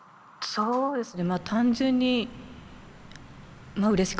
そうですね。